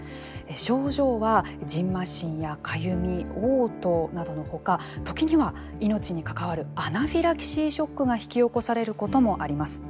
症状は、じんましんやかゆみおう吐などの他時には命に関わるアナフィラキシーショックが引き起こされることもあります。